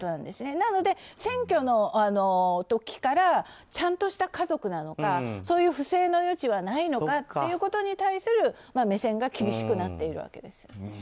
なので、選挙の時からちゃんとした家族なのかそういう不正の余地はないのかということに対する目線が厳しくなっているわけです。